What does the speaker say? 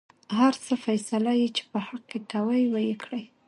هر څه فيصله يې چې په حق کې کوۍ وېې کړۍ.